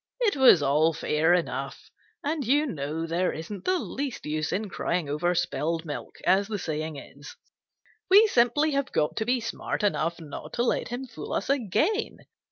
It was all fair enough, and you know there isn't the least use in crying over spilled milk, as the saying is. We simply have got to be smart enough not to let him fool us again.